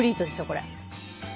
これ。